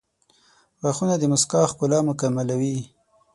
• غاښونه د مسکا ښکلا مکملوي.